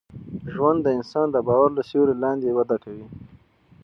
ژوند د انسان د باور له سیوري لاندي وده کوي.